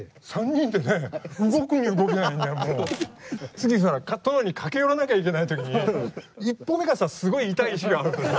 次さカット前に駆け寄らなきゃいけない時に１歩目がさすごい痛い石があってさ。